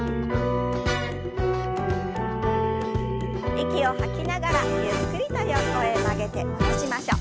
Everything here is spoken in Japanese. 息を吐きながらゆっくりと横へ曲げて戻しましょう。